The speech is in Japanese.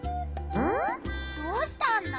どうしたんだ？